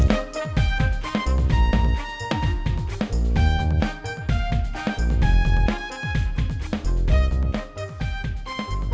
belum bisa bang